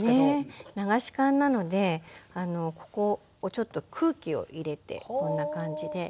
流し函なのでここをちょっと空気を入れてこんな感じで。